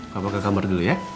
kabar ke kamar dulu ya